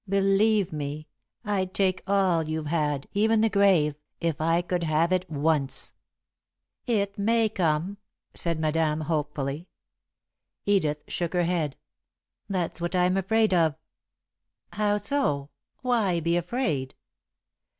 Believe me, I'd take all you've had, even the grave, if I could have it once." "It may come," said Madame, hopefully. Edith shook her head. "That's what I'm afraid of." "How so? Why be afraid?"